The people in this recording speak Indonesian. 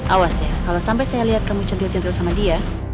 awas ya kalau sampai saya liat kamu cantil cantil sama dia